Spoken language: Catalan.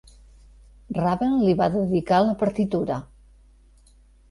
Ravel li va dedicar la partitura.